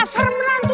ya seram nantu